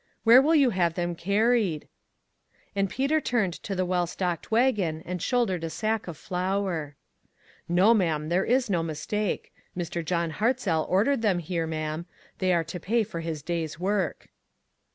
"Where will you have them carried?" And Peter turned to the well stocked wagon and shouldered a sack of flour. "No, ma'am, there is no mistake. Mr. John Hartzell ordered them here, ma'am. They are to pay for his day's work."